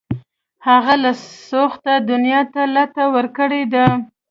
هغه له سوخته دنیا ته لته ورکړې ده